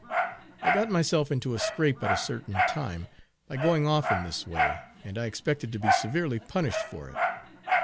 I got myself into a scrape at a certain time, by going off in this way, and I expected to be severely punished for it.